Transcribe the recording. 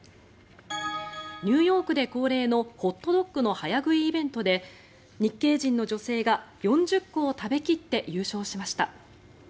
ニューヨークで恒例のホットドッグの早食いイベントで日系人の女性が４０個を食べ切って優勝しました。